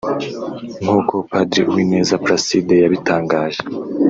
nkuko Padiri Uwineza Placide yabitangaje